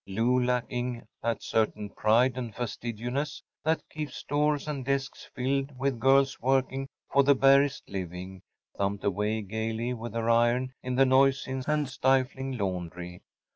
Lou, lacking that certain pride and fastidiousness that keeps stores and desks filled with girls working for the barest living, thumped away gaily with her iron in the noisy and stifling laundry.